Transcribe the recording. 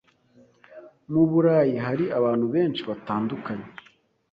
Mu Burayi hari abantu benshi batandukanye.